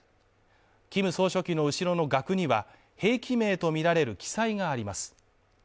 キム総書記の後ろの額には兵器名とみられる記載があります。